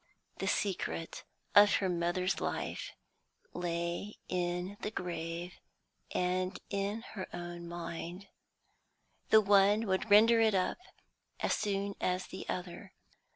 The secret of her mother's life lay in the grave and in her own mind; the one would render it up as soon as the other.